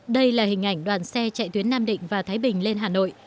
đây là hình ảnh đoàn xe chạy tuyến nam định và thái bình lên hà nội